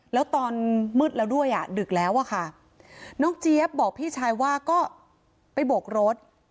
แล้วตอนมืดแล้วด้วยอ่ะดึกแล้วอะค่ะน้องเจี๊ยบบอกพี่ชายว่าก็ไปโบกรถ